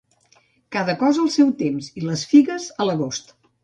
Cada cosa al seu temps, i les figues a l'agost.